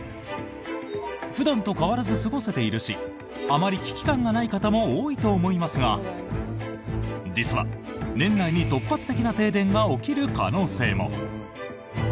普段と変わらず過ごせているしあまり危機感がない方も多いと思いますが実は、年内に突発的な停電が起きる可能性も。